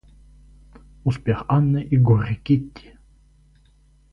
Успех Анны и горе Кити.